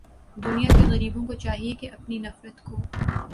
دنیا کے غریبوں کو چاہیے کہ اپنی نفرت کو